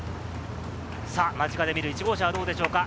間近で見る１号車はどうでしょうか？